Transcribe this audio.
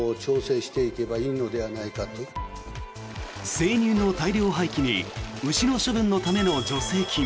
生乳の大量廃棄に牛の処分のための助成金。